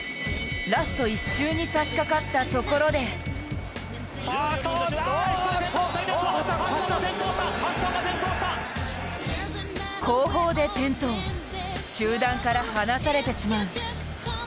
ラスト１周に差しかかったところで後方で転倒、集団から離されてしまう。